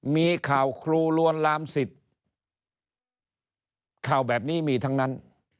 มีข่าวครูลวนลามสิทธิ์ข่าวแบบนี้มีทั้งนั้น